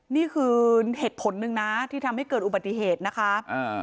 นี่คือเหตุผลหนึ่งนะที่ทำให้เกิดอุบัติเหตุนะคะอ่า